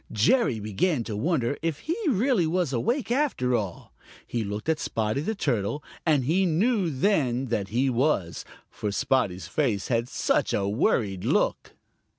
Jerry began to wonder if he really was awake after all. He looked at Spotty the Turtle, and he knew then that he was, for Spotty's face had such a worried look.